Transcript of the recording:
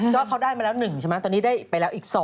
ก็เขาได้มาแล้ว๑ใช่ไหมตอนนี้ได้ไปแล้วอีก๒